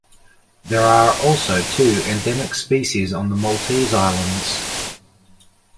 There are also two endemic species on the Maltese Islands.